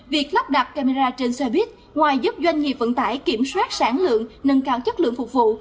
việc lắp đặt camera trên xe buýt ngoài giúp doanh nghiệp vận tải kiểm soát sản lượng nâng cao chất lượng phục vụ